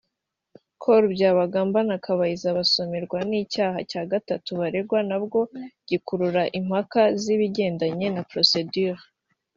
Col Byabagamba na Kabayiza basomerwa n’icyaha cya gatatu baregwa nabwo gikurura impaka z’ibigendanye na ‘procedures’